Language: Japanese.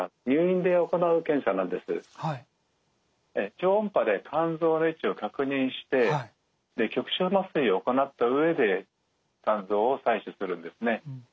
超音波で肝臓の位置を確認して局所麻酔を行った上で肝臓を採取するんですね。